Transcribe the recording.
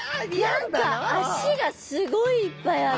何か脚がすごいいっぱいある。